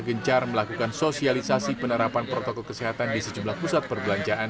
gencar melakukan sosialisasi penerapan protokol kesehatan di sejumlah pusat perbelanjaan